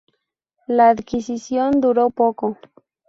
La adquisición duró poco.